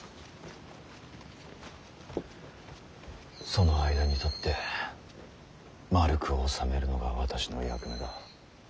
その間に立ってまるく収めるのが私の役目だ。